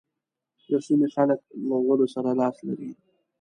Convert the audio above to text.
د سيمې خلک له غلو سره لاس لري.